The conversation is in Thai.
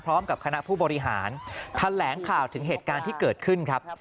พร้อมกับคณะผู้บริหารแถลงข่าวถึงเหตุการณ์ที่เกิดขึ้นครับ